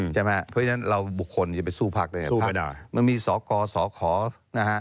เพราะฉะนั้นเราบุคคลจะไปสู้พักมันมีสกสคนะฮะ